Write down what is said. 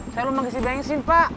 saya belum mengisi bensin pak